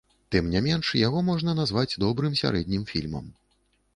Тым не менш, яго можна назваць добрым сярэднім фільмам.